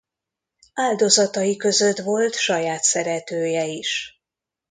Áldozatai között volt saját szeretője is.